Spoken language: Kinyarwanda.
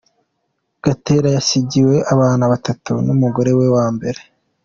Gatera yasigiwe abana batatu n’umugore we wa mbere.